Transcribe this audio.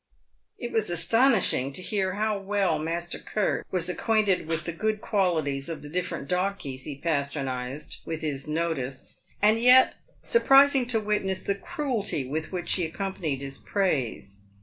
It was astonishing to hear how well Master Curt was acquainted with the good qualities of the different donkeys he patronised with his notice, and yet surprising to witness the cruelty with which he ac companied his praise.